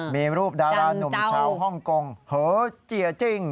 มีรูปดาราหนุ่มเช้าฮ่องกงเหาะเจียจิ้ง